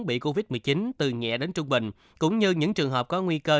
bị covid một mươi chín từ nhẹ đến trung bình cũng như những trường hợp có nguy cơ